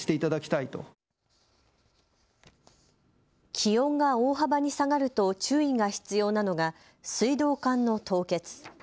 気温が大幅に下がると注意が必要なのが水道管の凍結。